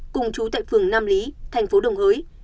cùng chú tại phường nam lý thành phố đồng hới